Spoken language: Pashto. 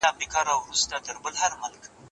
لویه جرګه څوک را غواړي؟